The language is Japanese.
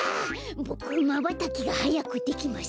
ボクまばたきがはやくできます。